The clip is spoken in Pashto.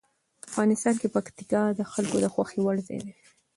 افغانستان کې پکتیکا د خلکو د خوښې وړ ځای دی.